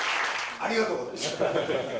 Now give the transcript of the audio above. ありがとうございます。